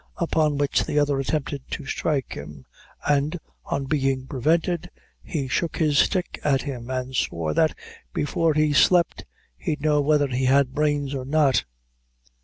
Upon which the other attempted to strike him, and, on being prevented, he shook his stick at him, and swore that "before he slept he'd know whether he had brains or not."